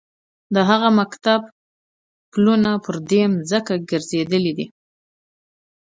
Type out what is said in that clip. د هغه مکتب پلونه پر دې ځمکه ګرځېدلي دي.